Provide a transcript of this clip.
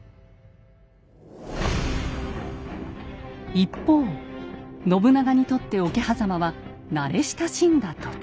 一方信長にとって桶狭間は慣れ親しんだ土地。